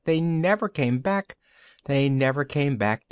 They never came back! They never came back!